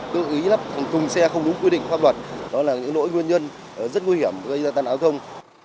tương ý lắp thùng xe không đúng quy định pháp luật đó là những lỗi nguyên nhân rất nguy hiểm gây ra tai nạn giao thông